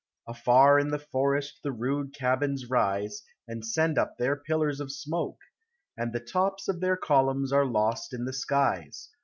Afar in the forest the rude cabins rise, And send up their pillars of smoke, And the tops of their columns are lost in the skies.